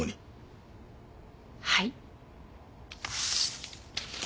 はい。